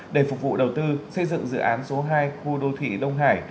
để phục vụ đầu tư xây dựng dự án số hai khu đô thị đông hải